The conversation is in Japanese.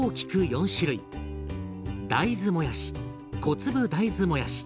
大豆もやし小粒大豆もやし